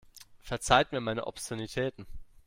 Verzeiht mir meine Obszönitäten.